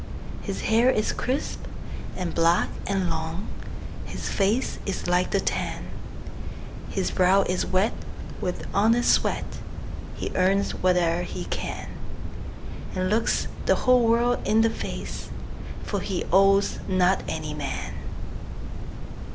His hair is crisp, and black, and long, His face is like the tan; His brow is wet with honest sweat, He earns whate'er he can, And looks the whole world in the face, For he owes not any man.